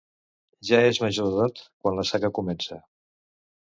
Ja és major d'edat quan la saga comença.